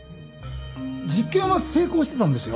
実験は成功してたんですよ。